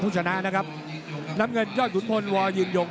ชนะนะครับน้ำเงินยอดขุนพลวอยืนยง